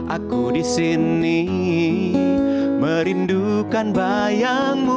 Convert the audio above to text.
aku disini merindukan bayangmu